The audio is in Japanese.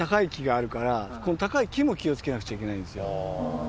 ここにこの高い木も気をつけなくちゃいけないんです